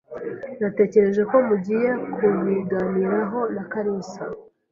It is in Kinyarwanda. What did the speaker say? Natekereje ko mugiye kubiganiraho na kalisa.